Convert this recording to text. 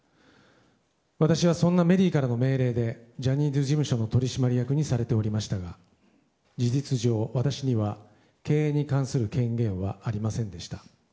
私はそんなメリーからの命令でジャニーズ事務所の取締役にされておりましたが事実上、私には経営に関する権限はありませんでした。